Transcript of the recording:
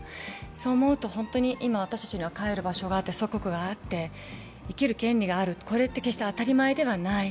そう思うと本当に今、私たちには帰る場所があって祖国があって生きる権利がある、これって決して当たり前ではない。